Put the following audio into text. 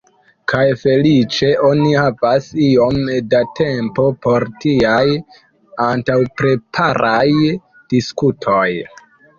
Kaj feliĉe oni havas iom da tempo por tiaj antaŭpreparaj diskutoj.